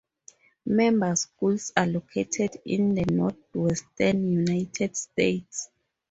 Member schools are located in the Northwestern United States.